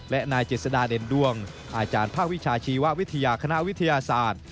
และนายเจษฎาเด่นดวงอาจารย์ภาควิชาชีววิทยาคณะวิทยาศาสตร์